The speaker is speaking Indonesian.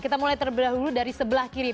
kita mulai terlebih dahulu dari sebelah kiri